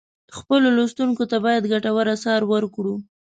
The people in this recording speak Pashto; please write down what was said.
خپلو لوستونکو ته باید ګټور آثار ورکړو.